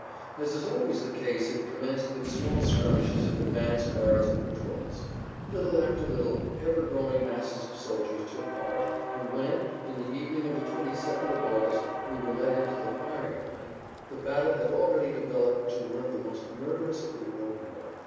As is always the case it commenced with small skirmishes of advance guards and patrols; little after little ever growing masses of soldiers took part and when, in the evening of the 22nd of August, we were led into the firing line, the battle had already developed to one of the most murderous of the world war.